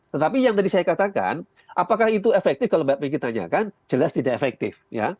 tetapi yang tadi saya katakan apakah itu efektif kalau mbak pricky tanyakan jelas tidak efektif